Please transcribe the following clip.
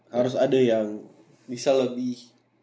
harus ada yang bisa lebih